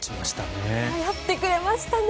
やってくれましたね。